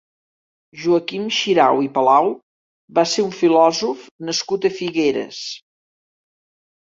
Joaquim Xirau i Palau va ser un filòsof nascut a Figueres.